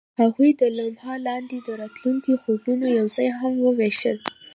هغوی د لمحه لاندې د راتلونکي خوبونه یوځای هم وویشل.